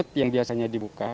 ringgit yang biasanya dibuka